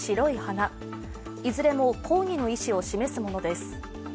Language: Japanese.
いずれも抗議の意思を示すものです。